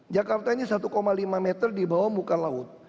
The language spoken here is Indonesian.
jakarta ini satu lima meter di bawah muka laut